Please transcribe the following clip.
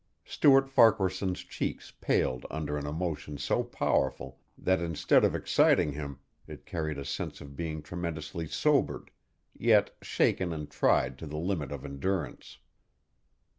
Stuart Farquaharson's cheeks paled under an emotion so powerful that instead of exciting him it carried a sense of being tremendously sobered yet shaken and tried to the limit of endurance.